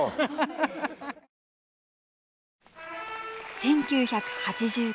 １９８９年。